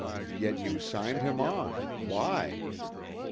"Yet you signed him on. Why?"